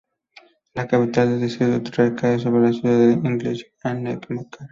La capital del distrito recae sobre la ciudad de Esslingen am Neckar.